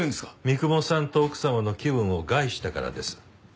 三雲さんと奥様の気分を害したからです。